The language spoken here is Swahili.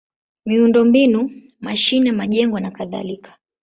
miundombinu: mashine, majengo nakadhalika.